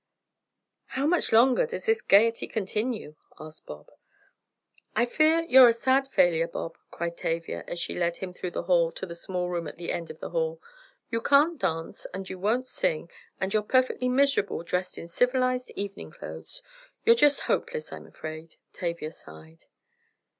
"How much longer does this gaiety continue?" asked Bob. "I fear you're a sad failure, Bob," cried Tavia, as she led him through the hall to the small room at the end of the hall. "You can't dance, and you won't sing, and you're perfectly miserable dressed in civilized, evening clothes. You're just hopeless, I'm afraid," Tavia sighed.